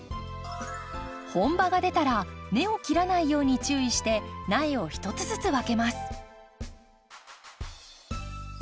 本葉が出たら根を切らないように注意して苗を１つずつ分けます。